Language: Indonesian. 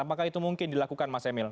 apakah itu mungkin dilakukan mas emil